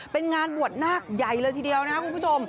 เป็นงานบวชนาคใหญ่เลยทีเดียวนะครับคุณผู้ชม